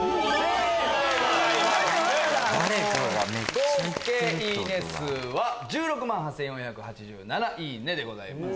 合計いいね数は１６万８４８７でございます。